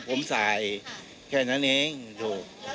พี่สูขอเพลิงตำเนอะ